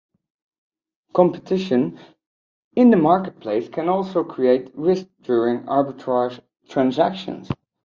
Competition in the marketplace can also create risks during arbitrage transactions.